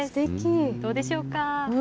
どうでしょうか。